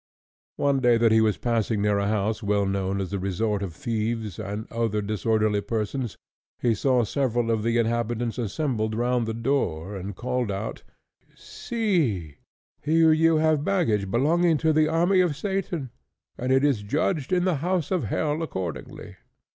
One day that he was passing near a house well known as the resort of thieves and other disorderly persons, he saw several of the inhabitants assembled round the door, and called out, "See, here you have baggage belonging to the army of Satan, and it is lodged in the house of hell accordingly."